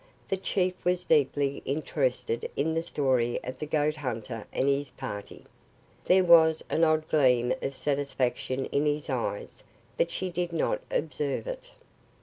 The chief was deeply interested in the story of the goat hunter and his party. There was an odd gleam of satisfaction in his eyes, but she did not observe it.